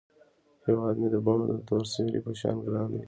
هیواد مې د بڼو د تور سیوري په شان ګران دی